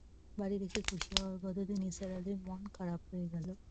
বাড়ি দেখে খুশি হবার বদলে নিসার আলির মন-খারাপ হয়ে গেল।